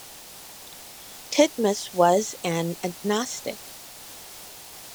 Titmuss was an agnostic.